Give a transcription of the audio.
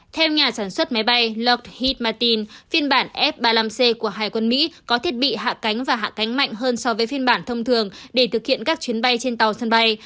theo nhà sản xuất máy bay lokh hid mattin phiên bản f ba mươi năm c của hải quân mỹ có thiết bị hạ cánh và hạ cánh mạnh hơn so với phiên bản thông thường để thực hiện các chuyến bay trên tàu sân bay